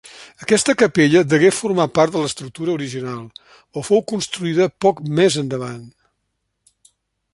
Aquesta capella degué formar part de l'estructura original o fou construïda poc més endavant.